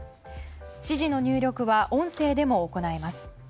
指示の入力は音声でも行えます。